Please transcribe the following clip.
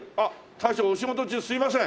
大将お仕事中すいません。